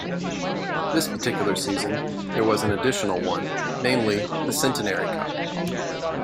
This particular season there was an additional one, namely the Centenary Cup.